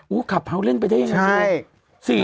อู้วขับเผาเล่นไปได้ยังไง